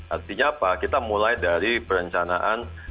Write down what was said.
artinya apa kita mulai dari perencanaan